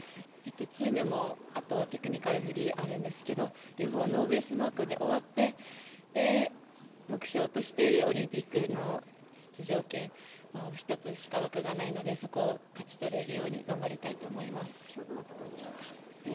チームもあとテクニカルがあるんですけれども両方ノーベースマークで終わって、目標としているオリンピックの出場権、１つしか枠がないのでそこを勝ち取れるように頑張りたいと思います。